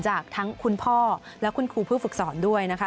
จากทั้งคุณพ่อและคุณครูผู้ฝึกสอนด้วยนะคะ